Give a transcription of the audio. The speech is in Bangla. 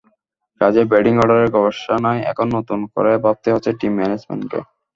কাজেই ব্যাটিং অর্ডারের গবেষণায় এখন নতুন করে ভাবতেই হচ্ছে টিম ম্যানেজমেন্টকে।